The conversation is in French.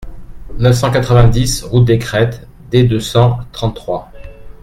neuf cent quatre-vingt-dix route des Cretes / d'deux cent trente-trois